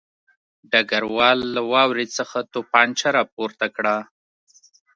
ډګروال له واورې څخه توپانچه راپورته کړه